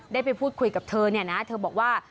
ได้ไปพูดคุยกับเธอเนี่ยนะเธอบอกว่า